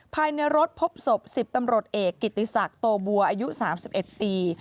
ภายในรถพบศพ๑๐ตำรวจเอกกิติศักดิ์โตบัวอายุ๓๑ปี